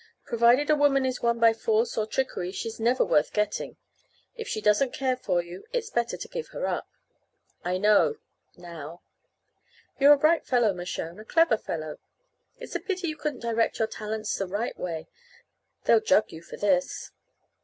Provided a woman is won by force or trickery she's never worth getting. If she doesn't care for you it's better to give her up." "I know now." "You're a bright fellow, Mershone, a clever fellow. It's a pity you couldn't direct your talents the right way. They'll jug you for this."